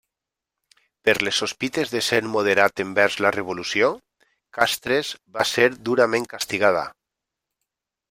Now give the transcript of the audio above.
Per les sospites de ser moderat envers la Revolució, Castres va ser durament castigada.